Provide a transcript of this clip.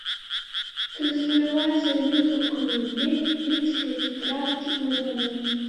Дызлаҩуаз аҩыгақәа ҩбеи, ицқьоу тетрадки лыманы.